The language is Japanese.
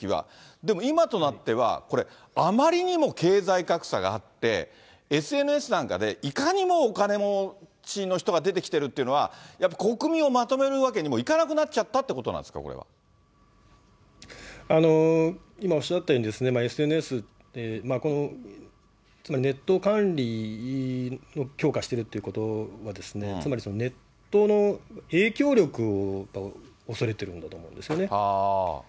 でも今となってはこれ、あまりにも経済格差があって、ＳＮＳなんかで、いかにもお金持ちの人が出てきてるというのは、やっぱり、国民をまとめるわけにもいかなくなっちゃったってことなんですか今おっしゃったように、ＳＮＳ、つまり、ネット管理を強化しているということは、つまりネットの影響力を恐れているんだと思うんですよね。